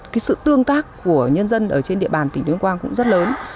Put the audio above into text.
cái sự tương tác của nhân dân ở trên địa bàn tỉnh tuyên quang cũng rất lớn